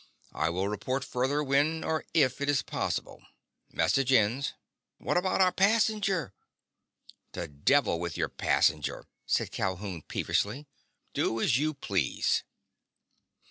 "I will report further when or if it is possible. Message ends." "What about our passenger?" "To the devil with your passenger!" said Calhoun peevishly. "Do as you please!"